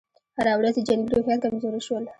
هره ورځ یې جنګي روحیات کمزوري شول.